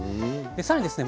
さらにですね